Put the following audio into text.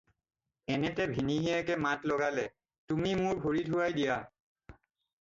"এনেতে ভিনীহিয়েকে মাত লাগলে, "তুমি মোৰ ভৰি ধুৱাই দিয়া।"